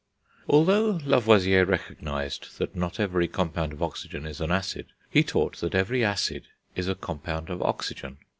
Although Lavoisier recognised that not every compound of oxygen is an acid, he taught that every acid is a compound of oxygen.